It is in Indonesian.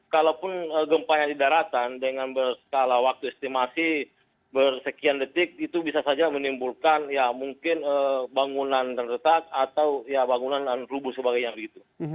kalaupun gempa yang di daratan dengan berskala waktu estimasi bersekian detik itu bisa saja menimbulkan ya mungkin bangunan terletak atau ya bangunan rubuh sebagainya begitu